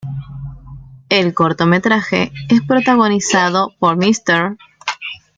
El cortometraje es protagonizado por Mr.